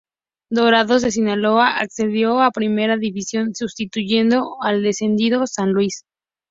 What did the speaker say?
Dorados de Sinaloa ascendió a Primera División, sustituyendo al descendido San Luis.